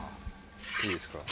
いいですか？